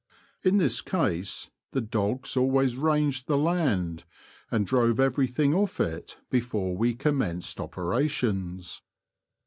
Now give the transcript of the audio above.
In this case the dogs always ranged the land, and drove everything off it before we commenced operations.